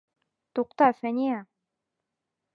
Туҡта, Фәниә.